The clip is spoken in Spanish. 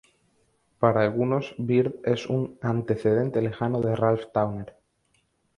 Para algunos, Byrd es un "antecedente lejano de Ralph Towner".